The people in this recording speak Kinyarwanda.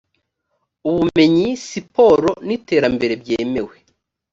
ubumenyi siporo n iterambere byemewe